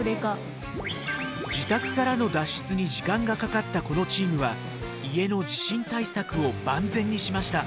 自宅からの脱出に時間がかかったこのチームは家の地震対策を万全にしました。